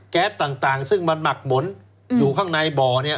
แก๊สต่างซึ่งมักหมดอยู่ข้างในบ่อ